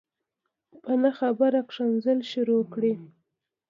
په نه خبره کنځل شروع کړي